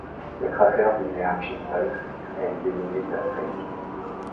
Le cratère lunaire Ginzel a été nommé d'après lui.